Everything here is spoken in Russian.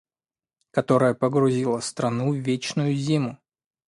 которая погрузила страну в вечную зиму.